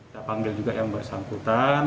saya panggil juga yang bersangkutan